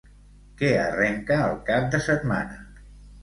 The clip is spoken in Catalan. Què arrenca el cap de setmana?